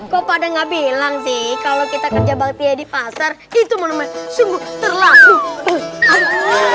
kok pada nggak bilang sih kalau kita kerja baktia di pasar itu monumen sungguh terlalu